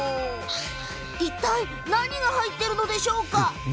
いったい何が入っているんでしょうか？